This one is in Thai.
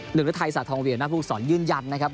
หนึ่งฤทัยสะทองเวียนหน้าภูมิสอนยื่นยันนะครับ